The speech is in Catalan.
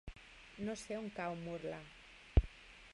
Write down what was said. No sé on cau Murla.